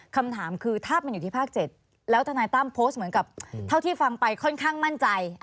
คำถามคือถ้ามันอยู่ที่ภาค๗แล้วทนายตั้มโพสต์เหมือนกับเท่าที่ฟังไปค่อนข้างมั่นใจ